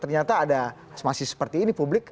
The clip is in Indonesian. ternyata ada masih seperti ini publik